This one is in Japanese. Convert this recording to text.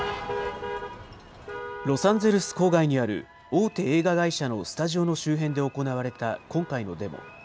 ロサンゼルス郊外にある大手映画会社のスタジオの周辺で行われた今回のデモ。